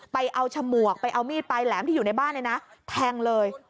ไปเอาฉมวกไปเอามีดปลายแหลมที่อยู่ในบ้านเนี่ยนะแทงเลย